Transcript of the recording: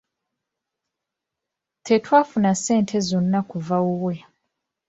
Tetwafuna ssente zonna kuva ewuwe.